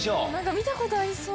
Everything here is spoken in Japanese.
見たことありそう！